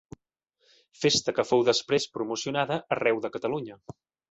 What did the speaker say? Festa que fou després promocionada arreu de Catalunya.